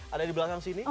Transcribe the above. ada di belakang sini